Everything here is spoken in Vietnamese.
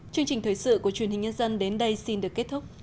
chương trình thời sự của truyền hình nhân dân đến đây xin được kết thúc